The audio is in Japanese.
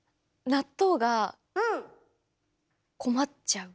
納豆困っちゃう？